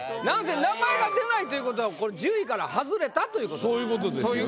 何せ名前が出ないということは１０位から外れたということです。